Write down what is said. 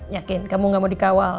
yakin kamu gak mau dikawal